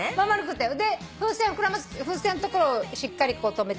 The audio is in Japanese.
で風船のところをしっかりとめて。